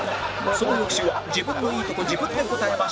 その翌週は「自分のいいとこ自分で答えましょう」